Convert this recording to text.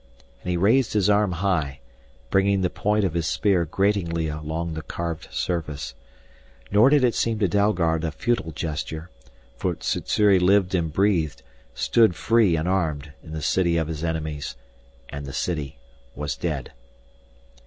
And he raised his arm high, bringing the point of his spear gratingly along the carved surface. Nor did it seem to Dalgard a futile gesture, for Sssuri lived and breathed, stood free and armed in the city of his enemies and the city was dead.